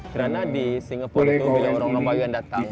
karena di singapura itu orang orang bawean datang